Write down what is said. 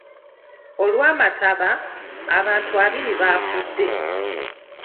Olw'amataba, abantu abiri baafudde.